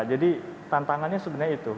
jadi tantangannya sebenarnya itu